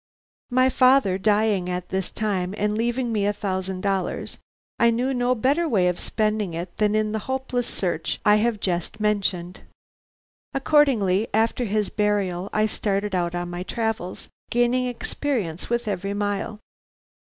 "My father dying at this time and leaving me a thousand dollars, I knew no better way of spending it than in the hopeless search I have just mentioned. Accordingly after his burial I started out on my travels, gaining experience with every mile.